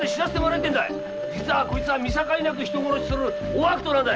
実はこいつは見境なく人殺しをする大悪党なんだ。